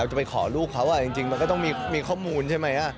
จะไปขอลูกเขาจริงมันก็ต้องมีข้อมูลใช่ไหม